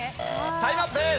タイムアップです！